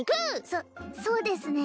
そそうですね